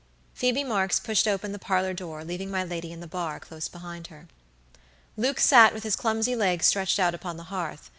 Phoebe Marks pushed open the parlor door, leaving my lady in the bar close behind her. Luke sat with his clumsy legs stretched out upon the hearth.